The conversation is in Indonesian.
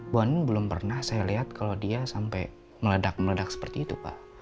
bu andin belum pernah saya lihat kalau dia sampai meledak meledak seperti itu